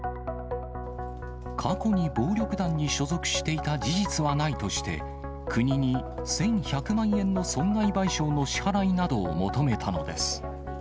過去に暴力団に所属していた事実はないとして、国に１１００万円の損害賠償の支払いなどを求めたのです。